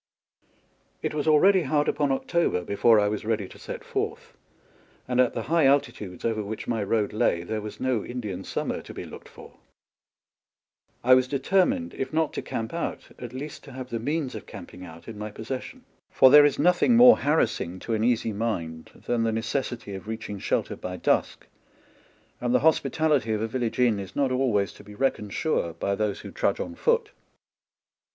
It was already hard upon October before I was ready to set forth, and at the high altitudes over which my road lay there was no Indian summer to be looked for. I was determined, if not to camp out, at 4 ■"^ m m LE PUV DONKEY, PACK, AND SADDLE least to have the means of camping out in my possession ; for there is nothing more harassing to an easy mind than the necessity of reaching shelter by dusk, and the hospitality of a village inn is not always to be reckoned sure by those who trudge on foot.